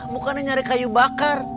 bukannya nyari kayu bakar